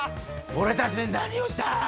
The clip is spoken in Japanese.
俺たちに何をした！？